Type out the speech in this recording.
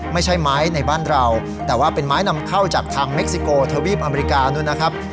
ไม่ใช่ไม้ในบ้านเราแต่ว่าเป็นไม้นำเข้าจากทางเม็กซิโกทวีปอเมริกานู้นนะครับ